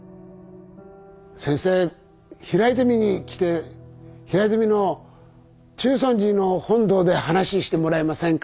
先生平泉に来て平泉の中尊寺の本堂で話してもらえませんか？